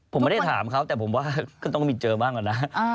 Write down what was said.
ผมไม่ได้ถามเขาแต่ผมว่าก็ต้องมีเจอบ้างก่อนนะ